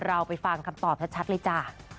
เราไปฟังคำตอบชัดเลยจ้ะ